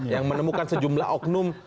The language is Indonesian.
yang menemukan sejumlah oknum